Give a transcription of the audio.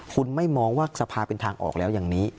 คุณไม่มองว่าสภาเป็นทางออกแล้วอย่างนี้